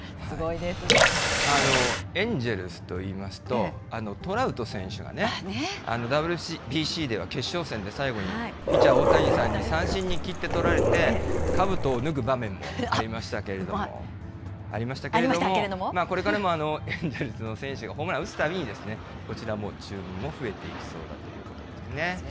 すエンジェルスといいますと、トラウト選手がね、ＷＢＣでは決勝戦で最後にピッチャー、大谷さんに三振に切って取られて、かぶとを脱ぐ場面もありましたけれどあっ、うまい。ありましたけれども、これからも、エンジェルスの選手がホームランを打つたびに、こちらの注文も増えていきそうだということですね。